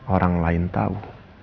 orang lain tau